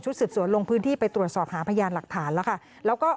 ชุดสิดสวนลงพื้นที่ไปตรวจสอบหาพยานหลักฐานแล้วก็